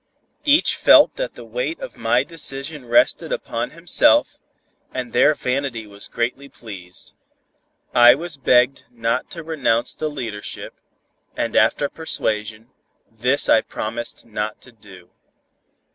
Each felt that the weight of my decision rested upon himself, and their vanity was greatly pleased. I was begged not to renounce the leadership, and after persuasion, this I promised not to do.